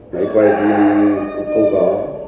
máy quay cũng không khó